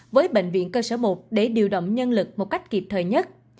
với bệnh viện cơ sở một để điều động nhân lực một cách kịp thời nhất